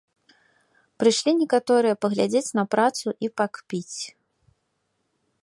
Прышлі некаторыя паглядзець на працу і пакпіць.